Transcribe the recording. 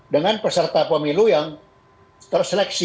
dengan peserta pemilu yang terseleksi